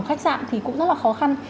khách sạn thì cũng rất là khó khăn